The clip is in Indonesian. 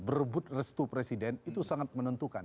berebut restu presiden itu sangat menentukan